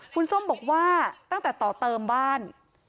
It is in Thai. คุณส้มบอกว่าตั้งแต่ต่อเติมบ้าน